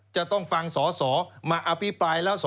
จะต้องฟังสอสอมาอภิปรายแล้ว